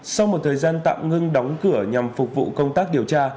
sau một thời gian tạm ngưng đóng cửa nhằm phục vụ công tác điều tra